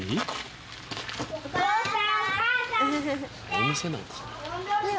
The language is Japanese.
お店なのか。